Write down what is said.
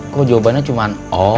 kok jawabannya cuma oh